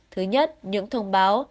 thứ nhất những thông báo